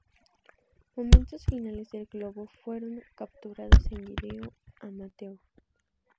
Momentos finales del globo fueron capturados en video amateur.